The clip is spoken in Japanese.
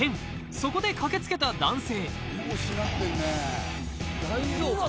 そこで駆け付けた男性